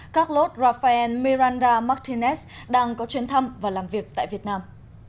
carlos rafael miranda martinets đang có chuyến thăm và làm việc tại việt nam